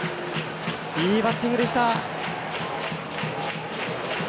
いいバッティングでした。